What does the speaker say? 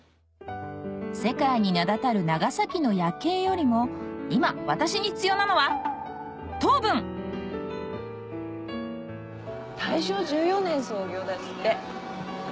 世界に名だたる長崎の夜景よりも今私に必要なのは大正１４年創業だって。